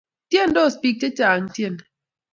Tiendos bik chechang tieni